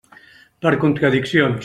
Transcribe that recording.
Per contradiccions.